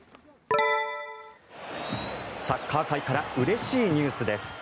サッカー界からうれしいニュースです。